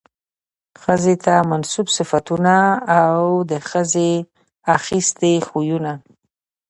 ښځې ته منسوب صفتونه او د ښځې اخىستي خوىونه